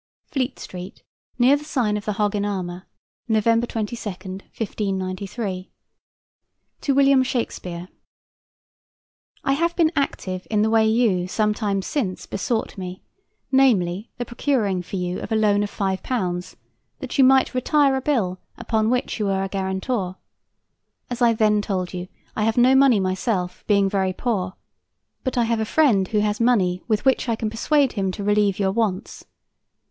FLEET STREET, NEAR THE SIGN OF THE HOG IN ARMOR, NOV. 22, 1593. To WILLIAM SHAKESPEARE: I have been active in the way you some days since besought me; namely, the procuring for you of a loan of £5, that you might retire a bill upon which you were a guarantor. As I then told you, I have no money myself, being very poor; but I have a friend who has money with which I can persuade him to relieve your wants.